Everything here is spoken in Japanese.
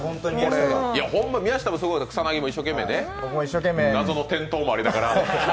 宮下もすごいけど、草薙も一生懸命ね、謎の転倒もありながら。